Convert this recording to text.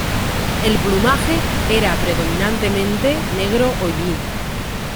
El plumaje era predominantemente negro hollín.